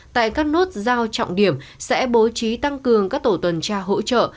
tại các nút giao trọng điểm sẽ bố trí tăng cường các tổ tuần tra hỗ trợ